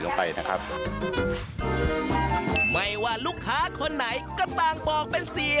โรงโต้งคืออะไร